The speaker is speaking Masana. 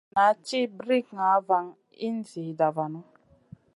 Nan naʼ ci brikŋa van a in zida vanu.